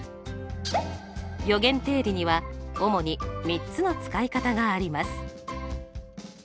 余弦定理には主に３つの使い方があります。